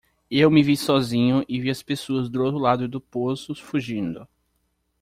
Eu me vi sozinho e vi as pessoas do outro lado do poço fugindo.